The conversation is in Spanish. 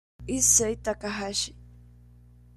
Issei Takahashi